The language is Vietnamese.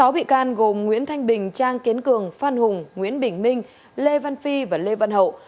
sáu bị can gồm nguyễn thanh bình trang kiến cường phan hùng nguyễn bình minh lê văn phi và lê văn hậu